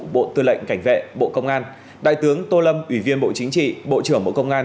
bộ tư lệnh cảnh vệ bộ công an đại tướng tô lâm ủy viên bộ chính trị bộ trưởng bộ công an